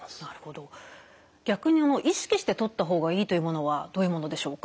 逆に意識してとった方がいいというものはどういうものでしょうか？